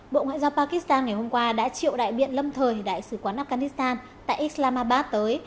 bộ ngoại giao pakistan ngày hôm qua đã triệu đại biện lâm thời đại sứ quán afghanistan tại islamabad tới